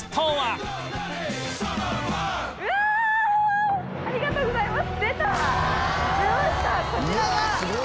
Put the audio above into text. うわあ！ありがとうございます。